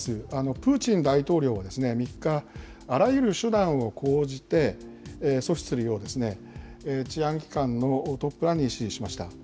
プーチン大統領は、３日、あらゆる手段を講じて、阻止するよう、治安機関のトップらに指示しました。